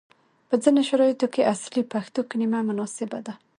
په ځینو شرایطو کې اصلي پښتو کلمه مناسبه ده،